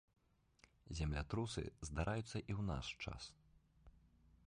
Землятрусы здараюцца і ў наш час.